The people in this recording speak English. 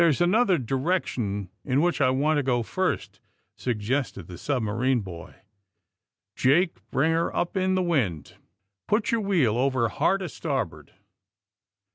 "There is another direction in which I want to go first," suggested the submarine boy. "Jake, bring her up in the wind. Put your wheel over hard a starboard.